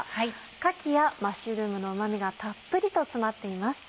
かきやマッシュルームのうま味がたっぷりと詰まっています。